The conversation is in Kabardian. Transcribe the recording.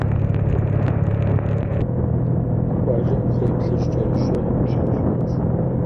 Ди къуажэм кхъуейплъыжькӏэрыщӏэ щащӏынущ.